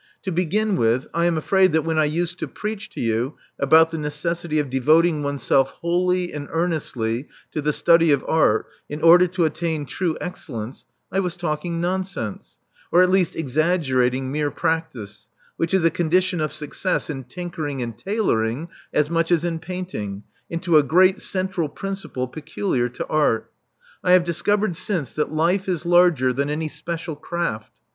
To begin with, I am afraid that when I used to preach to you about the necessity of devoting oneself wholly and earnestly to the study of art in order to attain true excellence, I was talking nonsense — or at least exaggerating mere practice, which is a condition of success in tinkering and tailoring as much as in painting, into a great central principle peculiar to art. I have discovered since that life is larger than any special craft.